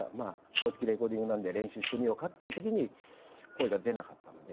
もうじきレコーディングなんで練習してみようかっていうときに声が出なかったので。